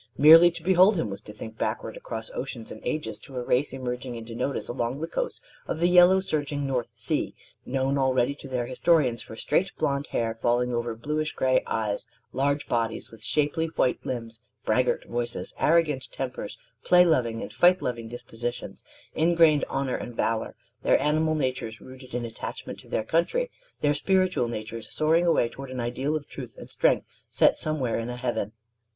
Merely to behold him was to think backward across oceans and ages to a race emerging into notice along the coast of the yellow surging North Sea: known already to their historians for straight blond hair falling over bluish gray eyes; large bodies with shapely white limbs; braggart voices, arrogant tempers; play loving and fight loving dispositions; ingrained honor and valor: their animal natures rooted in attachment to their country; and their spiritual natures soaring away toward an ideal of truth and strength set somewhere in a heaven.